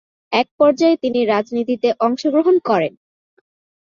এক পর্যায়ে তিনি রাজনীতিতে অংশগ্রহণ করেন।